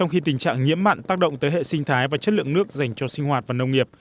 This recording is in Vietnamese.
khi tình trạng nhiễm mặn tác động tới hệ sinh thái và chất lượng nước dành cho sinh hoạt và nông nghiệp